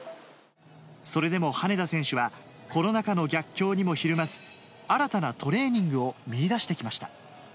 それでも羽根田選手は、コロナ禍の逆境にもひるまず、新たなトレーニングを見いだしてきました。